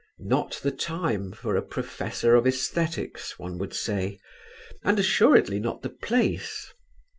Not the time for a "professor of æsthetics," one would say, and assuredly not the place.